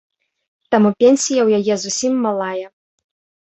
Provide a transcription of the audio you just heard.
Таму пенсія ў яе зусім малая.